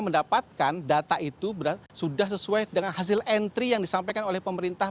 mendapatkan data itu sudah sesuai dengan hasil entry yang disampaikan oleh pemerintah